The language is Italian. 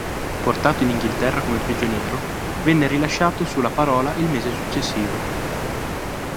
Portato in Inghilterra come prigioniero, venne rilasciato sulla parola il mese successivo.